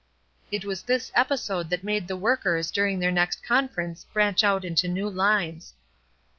It was this episode that made the workers during their next conference branch out in new lines.